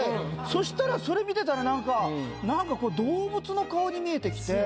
そしたらそれ見てたらなんかなんかこう動物の顔に見えてきて。